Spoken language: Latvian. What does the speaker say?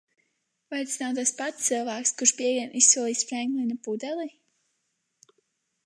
Vai tas nav tas pats cilvēks, kurš piektdien izsolīs Frenklina pudeli?